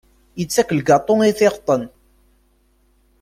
Yettak lgaṭu i tɣeṭṭen.